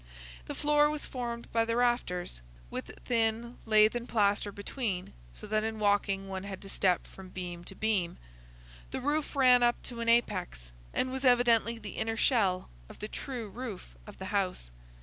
The floor was formed by the rafters, with thin lath and plaster between, so that in walking one had to step from beam to beam. The roof ran up to an apex, and was evidently the inner shell of the true roof of the house.